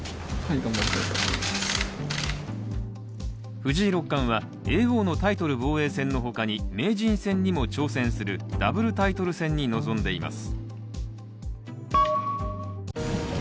藤井六冠は叡王のタイトル防衛戦の他に名人戦にも挑戦するダブルタイトル戦に臨んでいます。